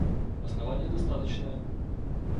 — Основание достаточное.